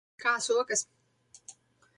Kā sokas?